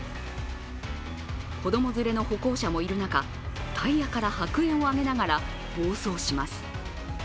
子供連れの歩行者もいる中、タイヤから白煙を上げながら暴走します。